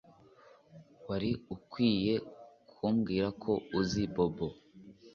Wari ukwiye kumbwira ko uzi Bobo